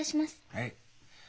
はい。